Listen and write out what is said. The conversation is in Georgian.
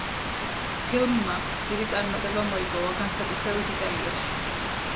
ფილმმა დიდი წარმატება მოიპოვა, განსაკუთრებით იტალიაში.